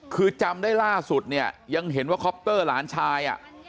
คือจำได้ล่าสุดเนี่ยยังเห็นว่าคอปเตอร์หลานชาย